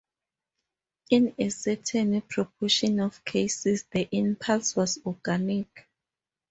In a certain proportion of cases the impulse was organic.